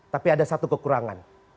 tapi ada satu kekurangan